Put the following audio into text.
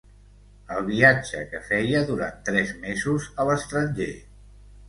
El viatge que feia durant tres mesos a l'estranger.